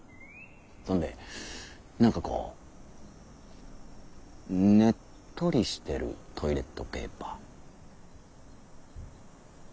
そんで「なんかこうねっとりしてるトイレットペーパー」。